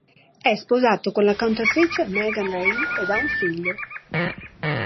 È sposato con la cantautrice Megan Reilly ed ha un figlio.